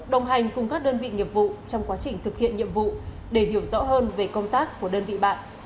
đồng hành cùng các đơn vị nghiệp vụ trong quá trình thực hiện nhiệm vụ để hiểu rõ hơn về công tác của đơn vị bạn